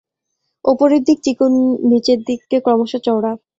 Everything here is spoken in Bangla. ওপরের দিক চিকন নিচে দিক ক্রমশ চওড়া।